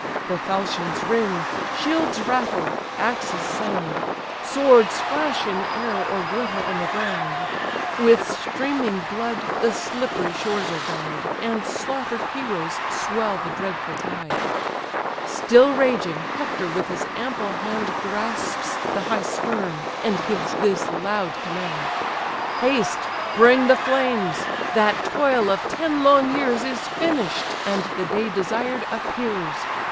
The falchions ring, shields rattle, axes sound, Swords flash in air, or glitter on the ground; With streaming blood the slippery shores are dyed, And slaughter'd heroes swell the dreadful tide. Still raging, Hector with his ample hand Grasps the high stern, and gives this loud command: AJAX DEFENDING THE GREEK SHIPS "Haste, bring the flames! that toil of ten long years Is finished; and the day desired appears!